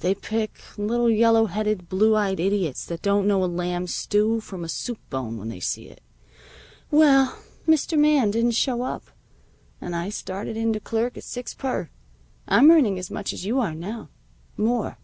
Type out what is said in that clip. They pick little yellow headed, blue eyed idiots that don't know a lamb stew from a soup bone when they see it. Well, Mr. Man didn't show up, and I started in to clerk at six per. I'm earning as much as you are now. More.